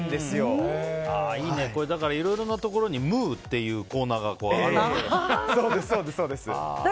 だから、いろいろなところに「ムー」っていうコーナーがあるわけだ。